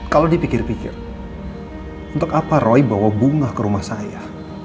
kalau dipikir pikir untuk apa roy bawa bunga ke rumah saya